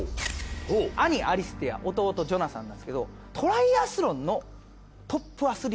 兄アリステア弟ジョナサンなんですけどトライアスロンのトップアスリートです。